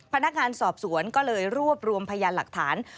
พนักงานสอบสวนก็เลยรวบรวมพยานหลักฐาน